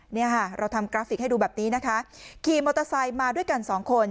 เนี่ยค่ะเราทำกราฟิกให้ดูแบบนี้นะคะขี่มอเตอร์ไซค์มาด้วยกันสองคน